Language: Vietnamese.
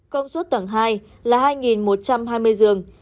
công suất tầng hai là hai một trăm hai mươi giường